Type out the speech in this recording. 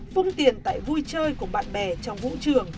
vung tiền tại vui chơi cùng bạn bè trong vũ trường